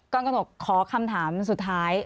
ก่อนขอคำถามสุดท้าย